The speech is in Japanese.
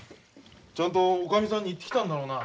ちゃんと女将さんに言ってきたんだろうな。